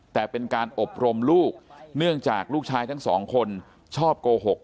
แต่เป็นการอบรมลูกเนื่องจากลูกชายทั้งสองคนชอบโกหก